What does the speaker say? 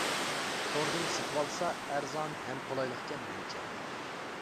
توردىن سېتىۋالسا ئەرزان ھەم قولايلىقكەن مەنچە.